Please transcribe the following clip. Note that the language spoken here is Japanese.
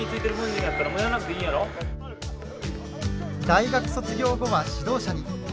大学卒業後は指導者に。